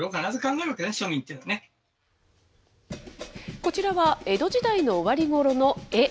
こちらは、江戸時代の終わりごろの絵。